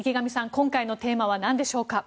今回のテーマは何でしょうか。